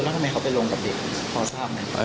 แล้วทำไมเขาไปลงกับเด็กพอทราบไง